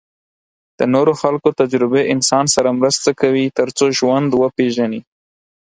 د نورو خلکو تجربې انسان سره مرسته کوي تر څو ژوند وپېژني.